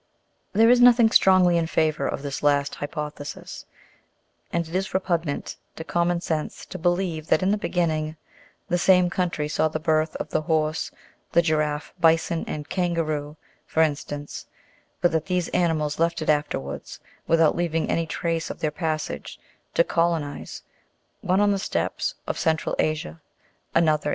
There is nothing strongly in favour of this last hypothesis, and it is repugnant to common sense to believe that, in the beginning, the same country saw the birth of the horse, the giraffe, bison, and kangaroo, for instance, but that these ani mals left it afterwards, without leaving any trace of their pas sage, to colonize, one on the steppes of central Asia, another in OF ANIMALS.